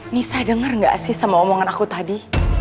nisah denger gak sih sama omongan aku tadi